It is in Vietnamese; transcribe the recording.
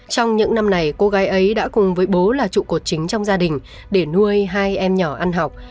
trong những năm này cô gái ấy đã cùng với bố là trụ cột chính trong gia đình để nuôi hai em nhỏ ăn học